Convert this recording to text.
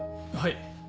はい。